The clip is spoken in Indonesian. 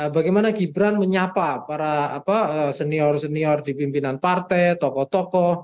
bagaimana gibran menyapa para senior senior di pimpinan partai tokoh tokoh